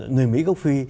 người mỹ gốc phi